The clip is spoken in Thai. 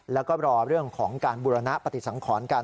แล้วก็รอเรื่องของการบุรณปฏิสังขรกัน